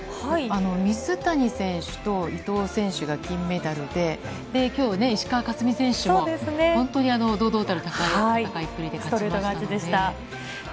水谷選手と伊藤選手が金メダルで、きょうね、石川佳純選手も本当に堂々たる戦いっぷりで勝ちましたね。